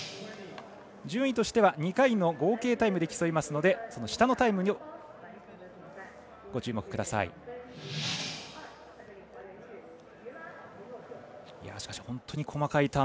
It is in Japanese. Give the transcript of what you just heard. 順位としては２回の合計タイムで競いますので下のタイムにご注目ください。